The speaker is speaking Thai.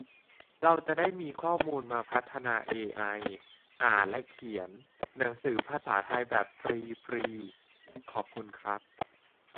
เราจะได้มีข้อมูลมาพัฒนา เอไอ อ่านและเขียนหนังสือภาษาไทยแบบฟรี ฟรี ขอบคุณครับ